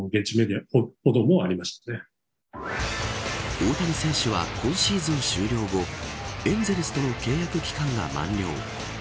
大谷選手は今シーズン終了後エンゼルスとの契約期間が満了。